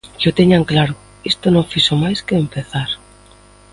Que o teñan claro: isto non fixo máis que empezar.